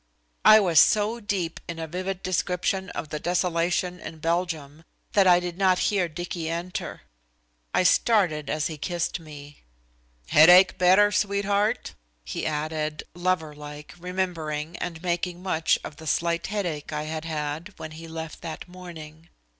I was so deep in a vivid description of the desolation in Belgium that I did not hear Dicky enter. I started as he kissed me. "Headache better, sweetheart?" he added, lover like remembering and making much of the slight headache I had had when he left that morning.